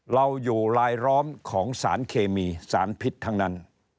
เราอยู่ลายล้อมของสารเคมีสารพิษทั้งนั้น